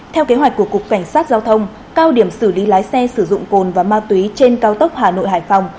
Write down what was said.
theo kế hoạch của cục cảnh sát giao thông cao điểm xử lý lái xe sử dụng cồn và ma túy trên cao tốc hà nội hải phòng